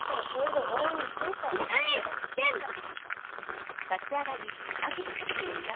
知らねえって言ってんだろ！